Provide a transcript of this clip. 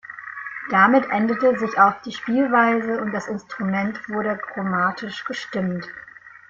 Damit änderte sich auch die Spielweise und das Instrument wurde chromatisch gestimmt.